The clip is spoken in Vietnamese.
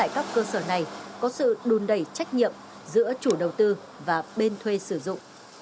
các cơ sở này có sự đùn đẩy trách nhiệm giữa chủ đầu tư và bên thuê sử dụng